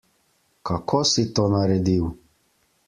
Kako si to naredil?